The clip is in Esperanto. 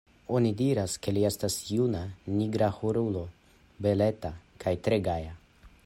Oni diras, ke li estas juna nigraharulo, beleta kaj tre gaja.